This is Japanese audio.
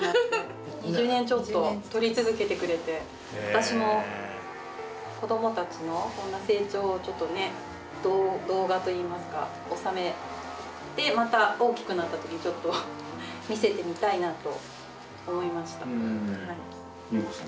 私も子どもたちのこんな成長をちょっとね動画といいますか収めてまた大きくなった時にちょっと見せてみたいなあと思いました。